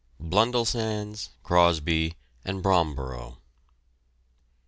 BLUNDELLSANDS, CROSBY AND BROMBOROUGH.